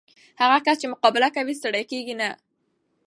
هغه کس چې مقابله کوي، ستړی کېږي نه.